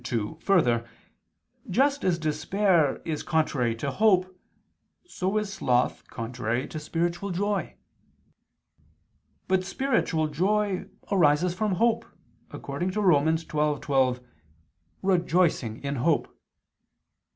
2: Further, just as despair is contrary to hope, so is sloth contrary to spiritual joy. But spiritual joy arises from hope, according to Rom. 12:12, "rejoicing in hope."